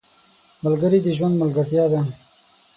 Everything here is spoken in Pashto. ملګري د ژوند ملګرتیا ده.